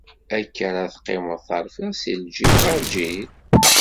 Akka ara teqqimeḍ terfiḍ si lǧil ɣer lǧil?